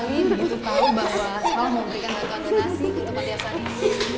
saya senang sekali begitu tahu bahwa shal memberikan bagian dalam penyerahan dana tersebut untuk kontinasian ini